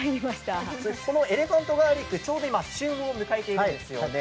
エレファントガーリック、ちょうど旬を迎えているんですよね。